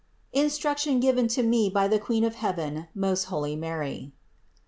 INSTRUCTION GIVEN TO ME BY THE QUEEN OF HEAVEN, MOST HOIvY MARY.